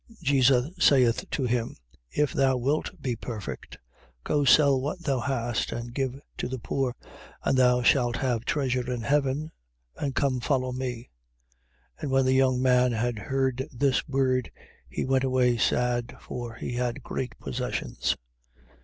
19:21. Jesus saith to him: If thou wilt be perfect, go sell what thou hast, and give to the poor, and thou shalt have treasure in heaven: and come, follow me. 19:22. And when the young man had heard this word, he went away sad: for he had great possessions.